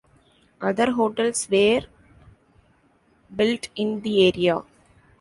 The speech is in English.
Other hotels were built in the area.